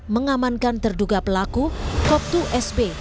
mengamankan terduga pelaku kop dua sb